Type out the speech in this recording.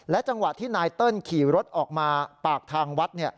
จังหวะที่นายเติ้ลขี่รถออกมาปากทางวัด